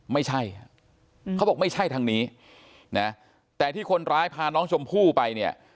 ไม่ใช่เขาบอกไม่ใช่ทางนี้นะแต่ที่คนร้ายพาน้องชมพู่ไปเนี่ย